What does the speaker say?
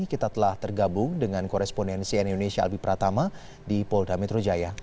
kita telah tergabung dengan korespondensi indonesia albi pratama di polda metro jaya